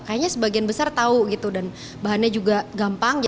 kayaknya sebagian besar tau gitu dan bahannya juga gampang